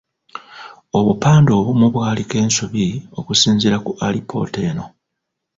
Obupande obumu bwaliko ensobi okusinzira ku alipoota eno.